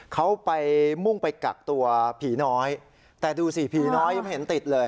เขาไปมุ่งไปกักตัวผีน้อยแต่ดูสิผีน้อยยังไม่เห็นติดเลย